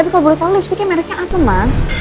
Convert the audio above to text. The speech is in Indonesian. eh tapi kalau baru tau lipsticknya mereknya apa